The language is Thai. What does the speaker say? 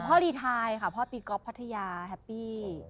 พ่อรีทายค่ะพ่อตีก๊อบพัทยาแฮปปี้